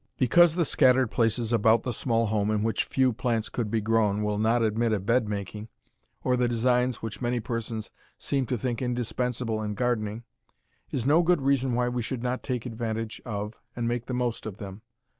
Because the scattered places about the small home in which few plants could be grown will not admit of bed making, or the "designs" which many persons seem to think indispensable in gardening, is no good reason why we should not take advantage of and make the most of them.